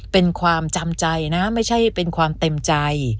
เป็นความจำใจนะไม่ใช่เป็นความเต็มใจ